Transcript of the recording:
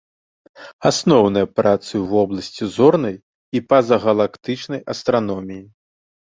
Асноўныя працы ў вобласці зорнай і пазагалактычнай астраноміі.